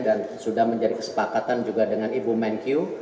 dan sudah menjadi kesepakatan juga dengan ibu menkyu